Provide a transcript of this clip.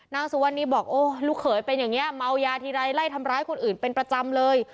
นางสุวรรณีบอกโอ้ลูกเขยเป็นอย่างนี้เมายาทีไรไล่ทำร้ายคนอื่นเป็นประจำเลย